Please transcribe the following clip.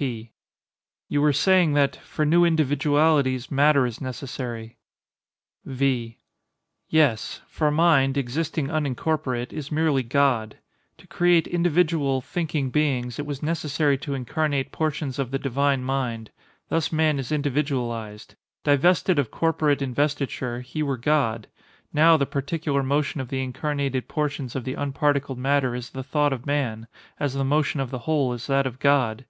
P. You were saying that "for new individualities matter is necessary." V. Yes; for mind, existing unincorporate, is merely God. To create individual, thinking beings, it was necessary to incarnate portions of the divine mind. Thus man is individualized. Divested of corporate investiture, he were God. Now, the particular motion of the incarnated portions of the unparticled matter is the thought of man; as the motion of the whole is that of God.